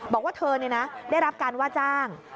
บอกว่าเธอได้รับการว่าจ้าง